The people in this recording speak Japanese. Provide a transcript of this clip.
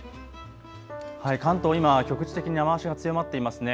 関東、今、局地的に雨足が強まっていますね。